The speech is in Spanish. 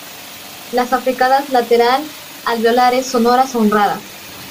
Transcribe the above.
Las africadas lateral-alveolares sonoras son raras.